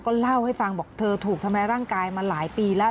ก็เล่าให้ฟังบอกเธอถูกทำร้ายร่างกายมาหลายปีแล้ว